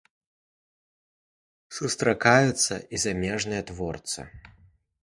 Сустракаюцца і замежныя творцы.